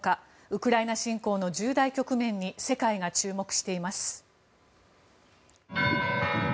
ウクライナ侵攻の重大局面に世界が注目しています。